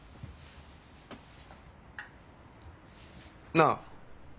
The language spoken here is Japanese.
なあ。